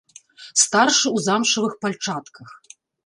Старшы ў замшавых пальчатках.